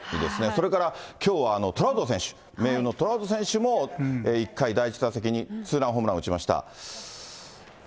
それから、きょうはトラウト選手、盟友のトラウト選手も、１回第１打席にツーランホームランを打ちました。